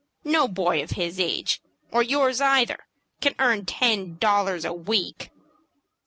No boy of his age, or yours either, can earn ten dollars a week."